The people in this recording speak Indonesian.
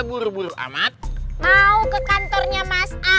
kami sudah terbuka